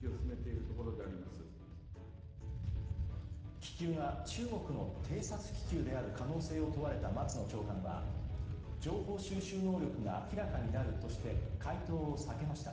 気球が中国の偵察気球である可能性を問われた松野長官は、情報収集能力が明らかになるとして回答を避けました。